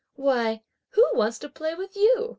"Why, who wants to play with you?"